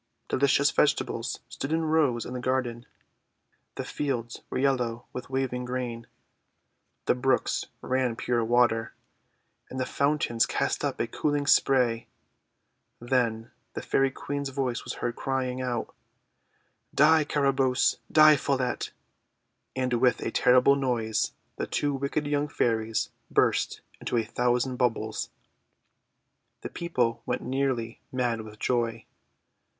Delicious vegetables stood in rows in the garden. The fields were yellow with waving grain. The brooks ran pure water, and the fountains cast up a cooling spray. Then the Fairy Queen's voice was heard crying out: "Die, Carabosse! Die, Follette!" And with a terrible noise the two wicked young Fairies burst into a thousand bubbles. The people went nearly mad with joy.